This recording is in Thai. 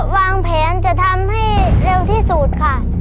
วางแผนจะทำให้เร็วที่สุดค่ะ